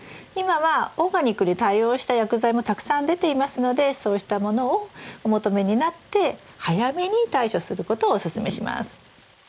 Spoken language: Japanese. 今はオーガニックに対応した薬剤もたくさん出ていますのでそうしたものをお求めになって早めに対処することをおすすめします。